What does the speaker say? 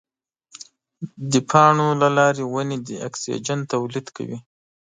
د پاڼو له لارې ونې د اکسیجن تولید کوي.